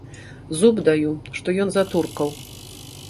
Зуб даю, што ён за туркаў!